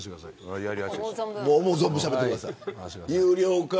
思う存分しゃべってください。